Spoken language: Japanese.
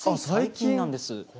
最近なんです。